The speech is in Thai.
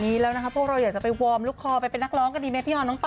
ใช่ค่ะพวกเราอยากจะไปวอร์มลูกคอไปเป็นนักร้องกันดีไหมพี่ออนน้องปะ